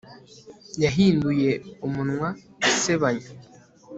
Yahinduye umunwa asebanya